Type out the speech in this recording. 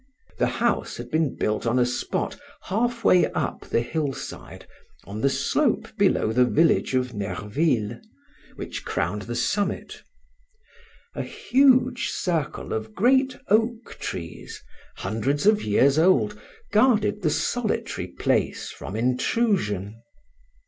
The house had been built on a spot half way up the hillside on the slope below the village of Nerville, which crowned the summit. A huge circle of great oak trees, hundreds of years old, guarded the solitary place from intrusion.